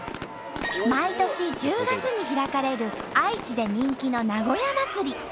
毎年１０月に開かれる愛知で人気の名古屋まつり。